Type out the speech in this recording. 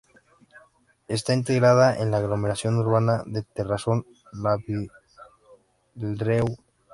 Está integrada en la aglomeración urbana de Terrasson-Lavilledieu.